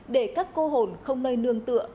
để các cô hồn không nơi nương tựa có cây